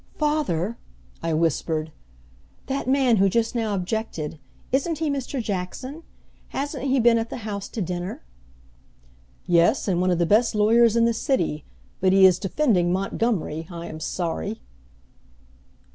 "Father," I whispered, "that man who just now objected, isn't he Mr. Jackson? Hasn't he been at the house to dinner?" "Yes, and one of the best lawyers in the city; but he is defending Montgomery, I am sorry!"